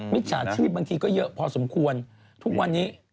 มิจฉาชีพบางทีก็เยอะพอสมควรทุกวันนี้